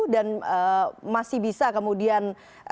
dan masih bisa kemudian